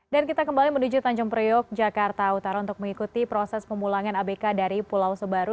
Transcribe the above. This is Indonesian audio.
dan kita kembali menuju tanjung priok jakarta utara untuk mengikuti proses pemulangan abk dari pulau sebaru